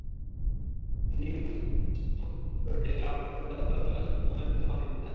তিনি বিপুলসংখ্যক কর্মী-সমর্থক পরিবেষ্টিত হয়ে জেলা প্রশাসন দপ্তরে মনোনয়নপত্র জমা দিতে যান।